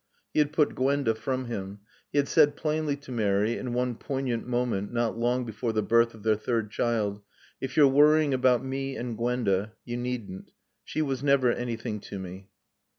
He had put Gwenda from him. He had said plainly to Mary (in one poignant moment not long before the birth of their third child), "If you're worrying about me and Gwenda, you needn't. She was never anything to me."